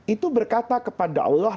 itu berkata kepada allah